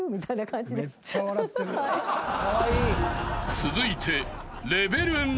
［続いて］